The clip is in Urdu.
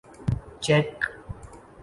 چیک